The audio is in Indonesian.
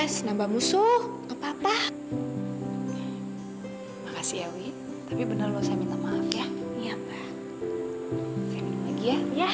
sampai jumpa di video selanjutnya